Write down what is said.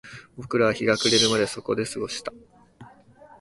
僕らは日が暮れるまでそこで過ごした